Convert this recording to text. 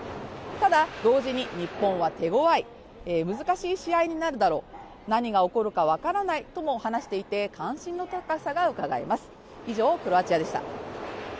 ただ、同時に日本は手強い、難しい試合になるだろう、何が起こるか分からないとも話していて関心の高さがうかがえます。